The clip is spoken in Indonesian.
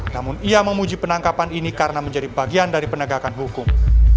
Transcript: namun ia memuji penangkapan ini karena menjadi bagian dari penegakan hukum